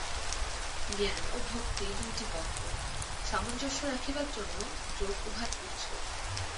জ্ঞান ও ভক্তি দুইটি পক্ষ, সামঞ্জস্য রাখিবার জন্য যোগ উহার পুচ্ছ।